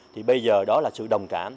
thì bây giờ đó là sự đồng cảm